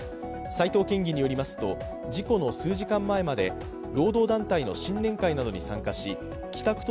斉藤県議によりますと事故の数時間前まで労働団体の新年会などに参加し帰宅